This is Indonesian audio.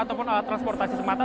ataupun alat transportasi semata